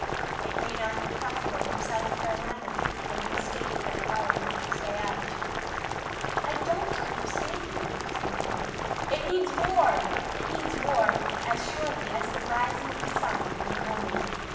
It may not be possible for South Carolina and the states that follow her to stay out." "I don't understand you," said the boy. "It means war! It means war, as surely as the rising of the sun in the morning.